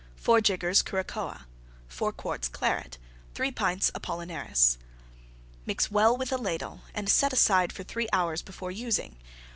4 jiggers Curacoa. 4 quarts Claret. 3 pints Apollinaris. Mix well with a Ladle and set aside for three hours before using.